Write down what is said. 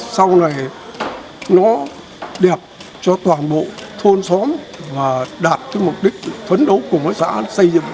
sau này nó đẹp cho toàn bộ thôn xóm và đạt mục đích phấn đấu của mỗi xã xây dựng